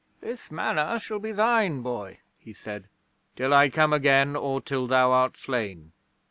This Manor shall be thine, boy," he said, "till I come again, or till thou art slain.